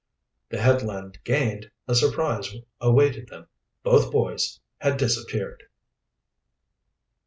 The headland gained, a surprise awaited them. Both boys had disappeared.